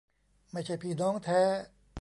ไม่ใช่พี่น้องแท้